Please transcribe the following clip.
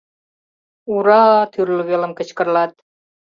— Ура-а! — тӱрлӧ велым кычкырлат.